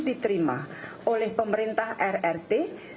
diterima oleh pemerintah rrt